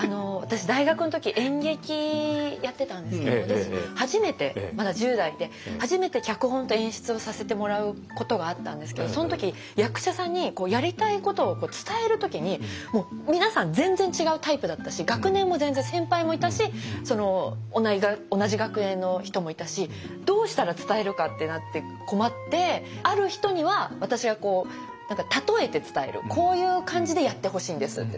私大学の時演劇やってたんですけど初めてまだ１０代で初めて脚本と演出をさせてもらうことがあったんですけどその時役者さんにやりたいことを伝える時に皆さん全然違うタイプだったし学年も全然先輩もいたし同じ学年の人もいたしどうしたら伝わるかってなって困ってある人には私がこう何か例えて伝える「こういう感じでやってほしいんです」。